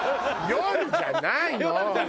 夜じゃないの？